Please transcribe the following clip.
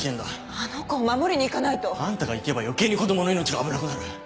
あの子を守りに行かないと！あんたが行けば余計に子供の命が危なくなる。